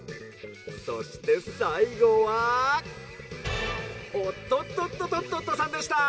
そしてさいごはおっとっとっととっとっとさんでした。